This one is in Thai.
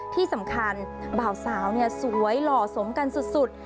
ที่สำคัญบ่าวสาวสวยหล่อสมกันสุด